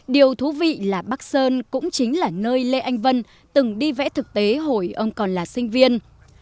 điều thú vị là bắc sơn cũng chính là nơi lê anh vân từng đi vẽ thực tế hội ông còn là sinh viên